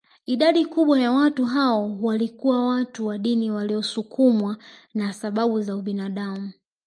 Idadi kubwa ya watu hao walikuwa watu wa dini waliosukumwa na sababu za ubinadamu